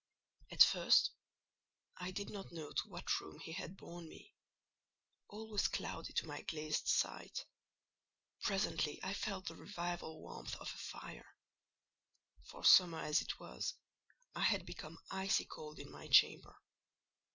At first I did not know to what room he had borne me; all was cloudy to my glazed sight: presently I felt the reviving warmth of a fire; for, summer as it was, I had become icy cold in my chamber.